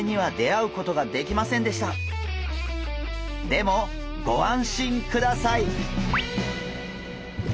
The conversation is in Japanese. でもご安心ください！